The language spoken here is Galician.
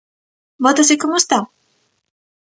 ¿Vótase como está?